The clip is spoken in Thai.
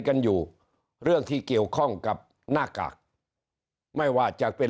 กันอยู่เรื่องที่เกี่ยวข้องกับหน้ากากไม่ว่าจะเป็น